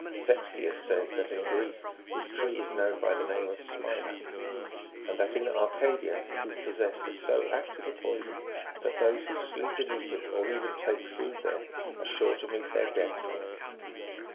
Sextius says, that in Greece this tree is known by the name of " smilax," and that in Arcadia it is possessed of so active a poison, that those who sleep beneath it, or even take food33 there, are sure to meet their death from it.